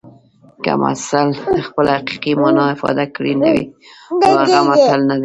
که متل خپله حقیقي مانا افاده کړي نو هغه متل نه دی